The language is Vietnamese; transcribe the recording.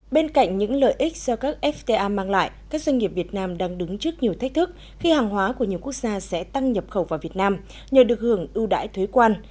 bên cạnh những lợi ích do các fta mang lại các doanh nghiệp việt nam đang đứng trước nhiều thách thức khi hàng hóa của nhiều quốc gia sẽ tăng nhập khẩu vào việt nam nhờ được hưởng ưu đãi thuế quan